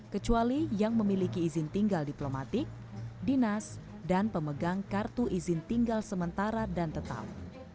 kecuali yang memiliki izin tinggal diplomatik dinas dan pemegang kartu izin tinggal sementara dan tetap